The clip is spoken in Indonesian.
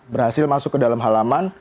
berhasil masuk ke dalam halaman